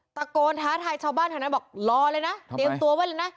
ตะโกนท้าทายชาวบ้านแถวนั้นบอกรอเลยนะเตรียมตัวไว้เลยนะ